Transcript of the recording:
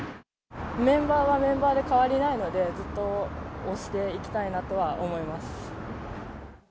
メンバーはメンバーで変わりないので、ずっと推していきたいなとは思います。